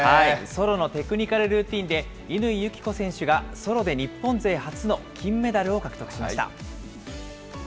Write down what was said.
ソロのテクニカルルーティンで乾友紀子選手がソロで日本勢初の金メダルを獲得しました。